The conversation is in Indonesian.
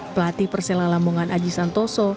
pelatih persela lamongan aji santoso